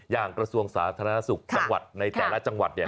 อย่างกระทรวงสาธารณสุขในแต่ละจังหวัดเนี่ย